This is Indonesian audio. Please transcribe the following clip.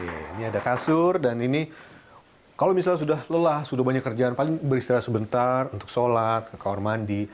ini ada kasur dan ini kalau misalnya sudah lelah sudah banyak kerjaan paling beristirahat sebentar untuk sholat ke kamar mandi